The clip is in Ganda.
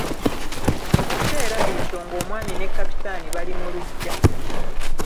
Mu kiseera ekyo ng'omwami ne Kapitaani bali mu luggya.